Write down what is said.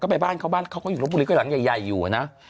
ไปบ้านเขาบ้านเขาก็อยู่รบบุรีก็หลังใหญ่อยู่นะ